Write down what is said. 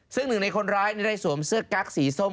ซึ่งหนึ่งในคนร้ายได้สวมเสื้อกั๊กสีส้ม